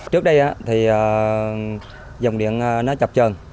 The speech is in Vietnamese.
trước đây thì dòng điện nó chọc trờn